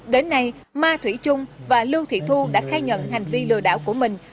đến nay ma thủy trung và lưu thị thu đã khai nhận hành vi lừa đảo của mình